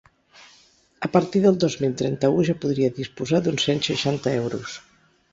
A partir del dos mil trenta-u ja podria disposar d’uns cent seixanta euros.